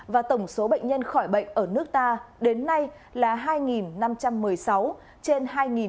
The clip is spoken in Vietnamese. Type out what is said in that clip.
và tổng số bệnh nhân khỏi bệnh ở nước ta đến nay là hai năm trăm một mươi sáu trên hai tám trăm bốn mươi sáu